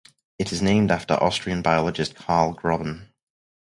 It is named after Austrian biologist Karl Grobben.